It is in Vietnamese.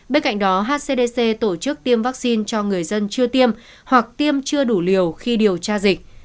bên cạnh đó hcdc tổ chức tiêm vaccine cho người dân chưa tiêm hoặc tiêm chưa đủ liều khi điều tra dịch